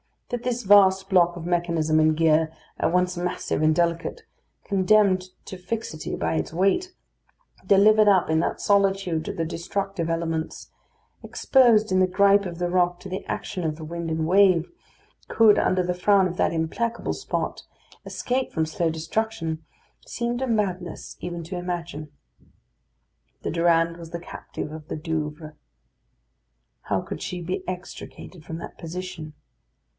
That this vast block of mechanism and gear, at once massive and delicate, condemned to fixity by its weight, delivered up in that solitude to the destructive elements, exposed in the gripe of the rock to the action of the wind and wave, could, under the frown of that implacable spot, escape from slow destruction, seemed a madness even to imagine. The Durande was the captive of the Douvres. How could she be extricated from that position?